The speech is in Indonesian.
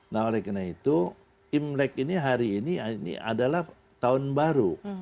nah oleh karena itu imlek ini hari ini adalah tahun baru